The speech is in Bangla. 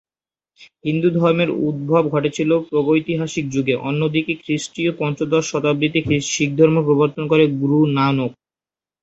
হিন্দুধর্মের উদ্ভব ঘটেছিল প্রাগৈতিহাসিক যুগে; অন্যদিকে খ্রিস্টীয় পঞ্চদশ শতাব্দীতে শিখধর্ম প্রবর্তন করেন গুরু নানক।